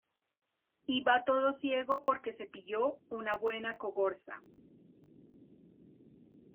Iba todo ciego porque se pilló una buena cogorza